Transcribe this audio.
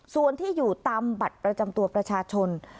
ส่วนที่อยู่ตามบัตรประจำตัวประชาชน